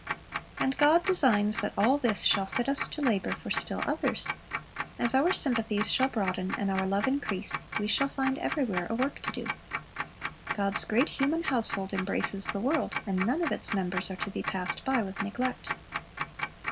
And God designs that all this shall fit us to labor for still others. As our sympathies shall broaden and our love increase, we shall find everywhere a work to do. God's great human household embraces the world, and none of its members are to be passed by with neglect.